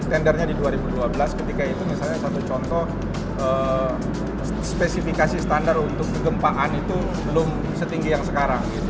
standarnya di dua ribu dua belas ketika itu misalnya satu contoh spesifikasi standar untuk kegempaan itu belum setinggi yang sekarang